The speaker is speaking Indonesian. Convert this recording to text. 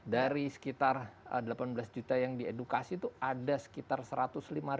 dari sekitar delapan belas juta yang diedukasi itu ada sekitar satu ratus lima puluh